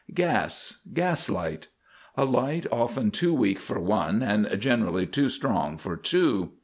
GAS, Gas light. A light often too weak for one and generally too strong for two.